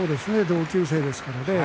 同級生ですからね。